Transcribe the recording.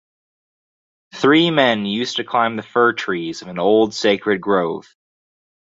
Three men used to climb the fir-trees of an old sacred grove.